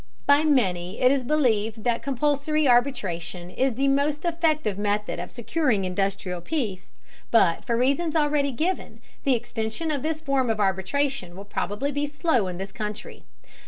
By many it is believed that compulsory arbitration is the most effective method of securing industrial peace, but for reasons already given, the extension of this form of arbitration will probably be slow in this country.